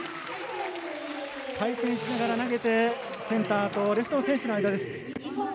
回転しながら投げてセンターとレフトの選手の間。